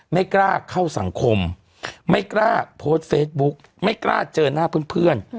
ไม่กล้าเข้าสังคมไม่กล้าโพสต์เฟซบุ๊กไม่กล้าเจอหน้าเพื่อน